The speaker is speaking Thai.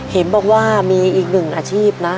เห็นบอกว่ามีอีกหนึ่งอาชีพนะ